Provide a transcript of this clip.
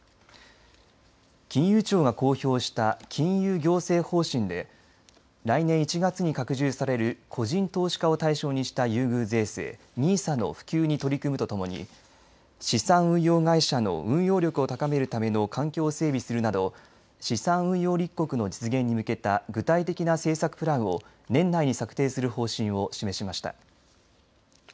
金融庁が公表した金融行政方針で来年１月に拡充される個人投資家を対象にした優遇税制ＮＩＳＡの普及に取り組むとともに資産運用会社の運用力を高めるための環境を整備するなど資産運用立国の実現に向けた具体的な政策プランを年内に策定する方針を示しました。